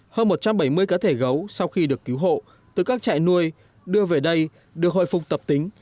hơn một trăm bảy mươi cá thể gấu sau khi được cứu hộ từ các trại nuôi đưa về đây được hồi phục tập tính